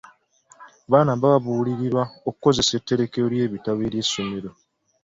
Abaana baabuulirirwa okukozesa etterekero ly'ebitabo ery'essomero.